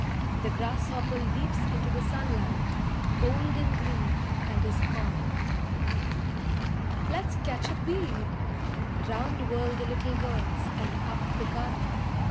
The grasshopper leaps into the sunlight, Golden green, And is gone. "Let's catch a bee." Round whirl the little girls, And up the garden.